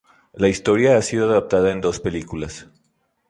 La historia ha sido adaptada en dos películas.